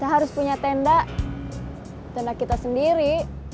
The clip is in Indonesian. harus punya tenda tenda kita sendiri